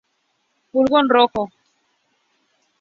Pulgón rojo.